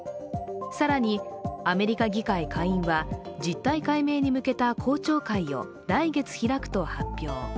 更にアメリカ議会下院は、実態解明に向けた公聴会を来月開くと発表。